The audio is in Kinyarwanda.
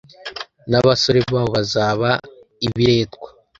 n abasore babo bazaba ibiretwa